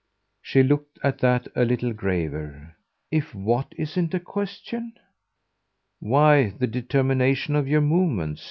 She looked at that a little graver. "If what isn't a question ?" "Why the determination of your movements.